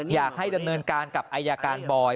อยากให้ดำเนินการกับอายการบอย